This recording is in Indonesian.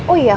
oh ya pak